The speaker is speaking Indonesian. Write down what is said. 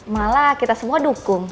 malah kita semua dukung